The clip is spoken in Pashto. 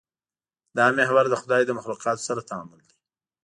دا محور د خدای له مخلوقاتو سره تعامل دی.